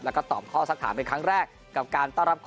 แล้วก็ตอบข้อสักถามเป็นครั้งแรกกับการต้อนรับ